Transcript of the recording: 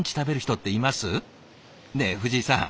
ねえ藤井さん。